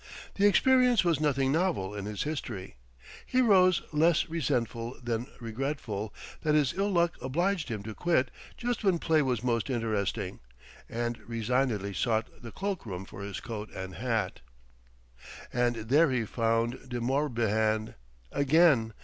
The experience was nothing novel in his history. He rose less resentful than regretful that his ill luck obliged him to quit just when play was most interesting, and resignedly sought the cloak room for his coat and hat. And there he found De Morbihan again!